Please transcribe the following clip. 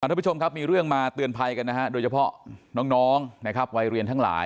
ทุกผู้ชมครับมีเรื่องมาเตือนภัยกันนะฮะโดยเฉพาะน้องนะครับวัยเรียนทั้งหลาย